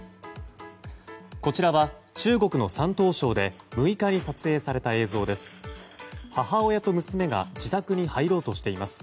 こちらは、中国の山東省で６日に撮影された映像です。